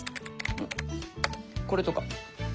これとか。